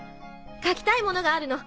書きたいものがあるの。